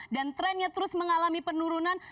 dan trennya terus mengalami penurunan